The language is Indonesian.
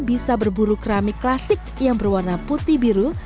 bisa berburu keramik klasik yang berwarna putih biru